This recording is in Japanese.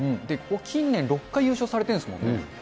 近年、６回優勝されてるんですもんね。